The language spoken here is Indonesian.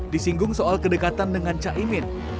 disinggung soal kedekatan dengan caimin